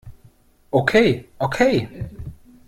Okay, okay!